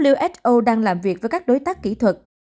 uso đang làm việc với các đối tác kỹ thuật